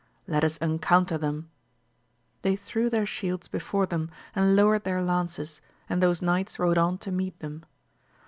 Let us encounter them ! they threw their shields before them, and lowered their lances, 190 AMADIS OF GAUL. and those knights rode on to meet them.